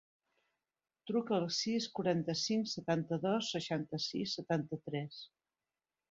Truca al sis, quaranta-cinc, setanta-dos, seixanta-sis, setanta-tres.